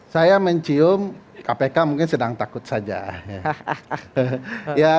saya mencium kpk mungkin sedang takut saja